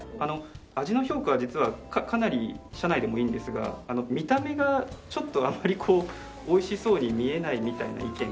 味の評価は実はかなり社内でもいいんですが見た目がちょっとあまり美味しそうに見えないみたいな意見が。